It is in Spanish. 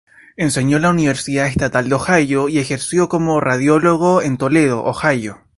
Enseñó en la Universidad Estatal de Ohio y ejerció como radiólogo en Toledo, Ohio.